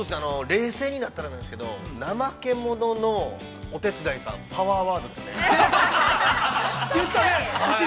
冷静になったらなんですけど怠け者のお手伝いさんパワーワードですね。